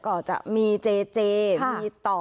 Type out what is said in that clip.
ก็จะมีเจเจมีต่อ